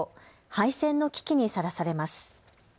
廃線の危機にさらされます。